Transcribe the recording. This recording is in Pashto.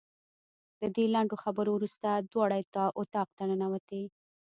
د دې لنډو خبرو وروسته دواړه اتاق ته ننوتې.